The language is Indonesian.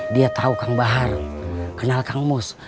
dia tahu kang bahar kenal kang umus